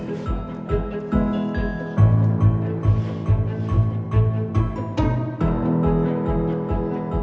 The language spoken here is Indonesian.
padok di jantung kota yogyakarta